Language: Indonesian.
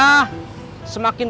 semakin beberapa paket